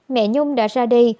mẹ nhung đã ra đi